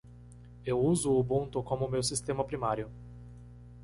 Eu uso Ubuntu como meu sistema primário.